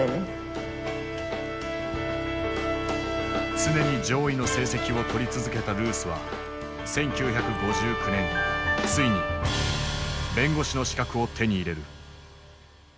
常に上位の成績を取り続けたルースは１９５９年ついに弁護士の資格を手に入れる。